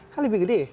kan lebih gede